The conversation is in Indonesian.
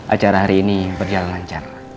acara hari ini berjalan lancar